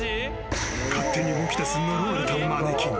勝手に起きた呪われたマネキン。